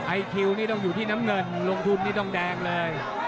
ไอคิวนี่ต้องอยู่ที่น้ำเงินลงทุนนี่ต้องแดงเลย